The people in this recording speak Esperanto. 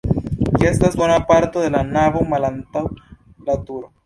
Ĝi estas duona parto de la navo malantaŭ la turo.